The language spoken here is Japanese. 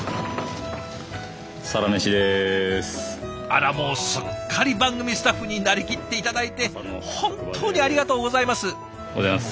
あらもうすっかり番組スタッフになりきって頂いて本当にありがとうございます。